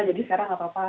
jadi sekarang tidak apa apa